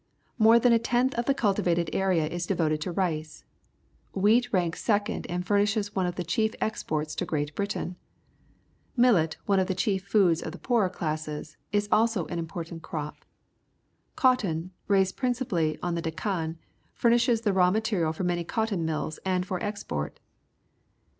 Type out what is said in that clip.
More than a tenth of the cultivated area is devoted to rice. Whe at ranks second and furnishes one of the chief exports to Great Britain. Millet, one of the chief foods of the poorer classes, is also an important crop. Cotton^ rai sed principally in the Deccan, furnishes the raw material for A Native Pump, India he m: !ight I many cotton mills and for export.